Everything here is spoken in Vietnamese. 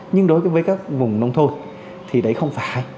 nhưng đối với các vùng nông thôn thì đấy không phải hay